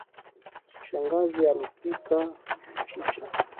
Shangazi alipika mchicha.